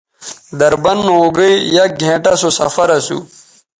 دربند نو اوگئ یک گھنٹہ سو سفر اسو